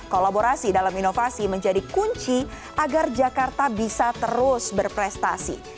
kolaborasi dalam inovasi menjadi kunci agar jakarta bisa terus berprestasi